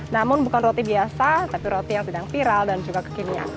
namun bukan roti biasa tapi roti yang sedang viral dan juga kekinian